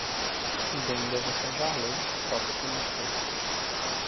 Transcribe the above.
Dengia visažaliai tropikų miškai.